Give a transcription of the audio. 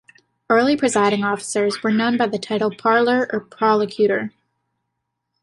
Early presiding officers were known by the title parlour or prolocutor.